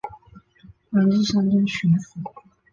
官至山东巡抚。